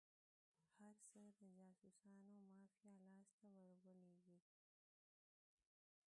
هر څه د جاسوسانو مافیا لاس ته ور ولویږي.